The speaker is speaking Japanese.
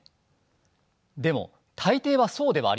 でも大抵はそうではありません。